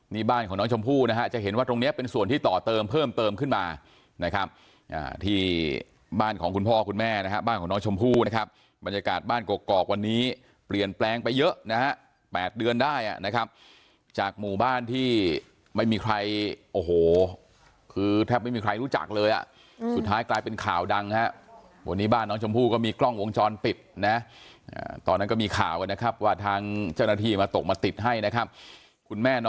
นี่บ้านของน้องชมพู่นะฮะจะเห็นว่าตรงนี้เป็นส่วนที่ต่อเติมเพิ่มเติมขึ้นมานะครับที่บ้านของคุณพ่อคุณแม่นะฮะบ้านของน้องชมพู่นะครับบรรยากาศบ้านกอกวันนี้เปลี่ยนแปลงไปเยอะนะฮะ๘เดือนได้นะครับจากหมู่บ้านที่ไม่มีใครโอ้โหคือถ้าไม่มีใครรู้จักเลยอ่ะสุดท้ายกลายเป็นข่าวดังนะฮะวันนี้บ้านน้